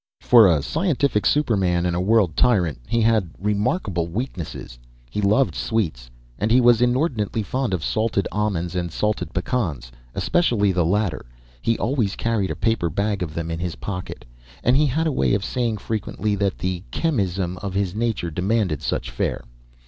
For a scientific superman and world tyrant, he had remarkable weaknesses. He loved sweets, and was inordinately fond of salted almonds and salted pecans, especially of the latter. He always carried a paper bag of them in his pocket, and he had a way of saying frequently that the chemism of his nature demanded such fare.